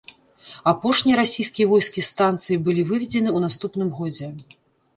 Апошнія расійскія войскі з станцыі былі выведзены ў наступным годзе.